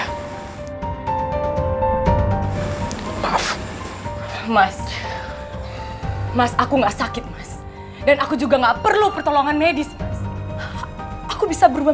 hai maaf shift mas aku enggak sakit kita dan aku juga nggak perlu pertolongan medis aku bisa bisa